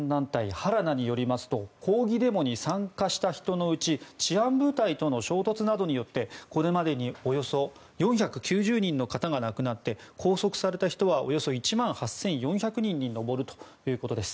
ＨＲＡＮＡによりますと抗議デモに参加した人のうち治安部隊との衝突などによってこれまでにおよそ４９０人の方が亡くなって拘束された人はおよそ１万８４００人に上るということです。